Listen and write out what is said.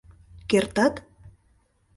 — Кертат?